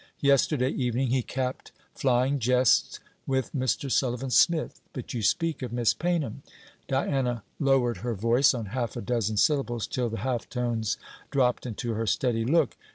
Yesterday evening he capped flying jests with Mr. Sullivan Smith. But you speak of Miss. Paynham.' Diana lowered her voice on half a dozen syllables, till the half tones dropped into her steady look.